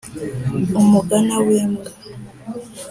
umugana w’imbwa